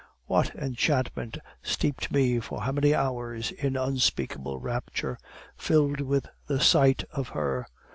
What enchantment steeped me for how many hours in unspeakable rapture, filled with the sight of Her!